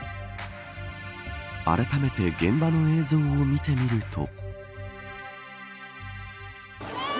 あらためて現場の映像を見てみると。